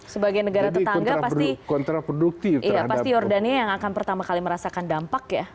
sebagai negara tetangga pasti jordania yang akan pertama kali merasakan dampak ya